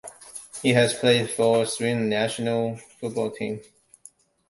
He has played for the Sweden national football team.